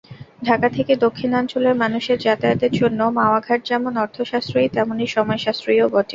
ঢাকা থেকে দক্ষিণাঞ্চলের মানুষের যাতায়াতের জন্য মাওয়াঘাট যেমন অর্থসাশ্রয়ী তেমনি সময়সাশ্রয়ীও বটে।